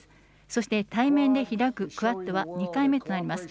そして対面で開くクアッドは２回目となります。